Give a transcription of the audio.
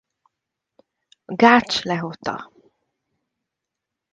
Gács Lehota.